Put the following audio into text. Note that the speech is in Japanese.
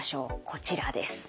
こちらです。